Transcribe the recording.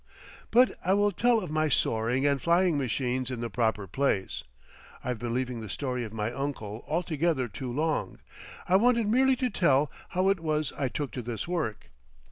But I will tell of my soaring and flying machines in the proper place. I've been leaving the story of my uncle altogether too long. I wanted merely to tell how it was I took to this work.